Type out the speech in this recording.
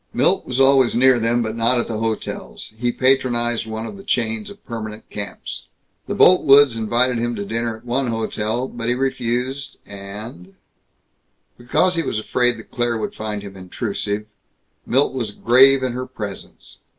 Milt was always near them, but not at the hotels. He patronized one of the chains of permanent camps. The Boltwoods invited him to dinner at one hotel, but he refused and Because he was afraid that Claire would find him intrusive, Milt was grave in her presence.